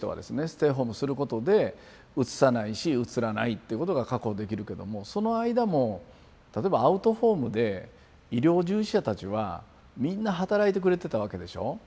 ステイホームすることでうつさないしうつらないっていうことが確保できるけどもその間も例えばアウトホームで医療従事者たちはみんな働いてくれてたわけでしょ。